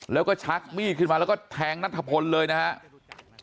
แล้วก็ชักมีดขึ้นมาแล้วก็แทงนัทพลเลยนะครับ